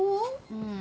うん。